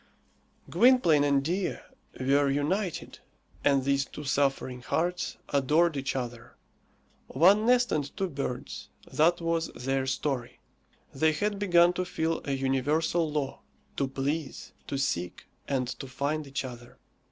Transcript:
Gwynplaine and Dea were united, and these two suffering hearts adored each other. One nest and two birds that was their story. They had begun to feel a universal law to please, to seek, and to find each other.